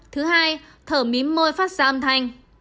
thứ hai thở mím môi phát ra âm thanh